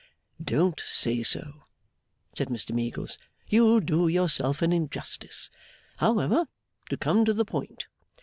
'Don't say so,' said Mr Meagles; 'you do yourself an injustice. However, to come to the point.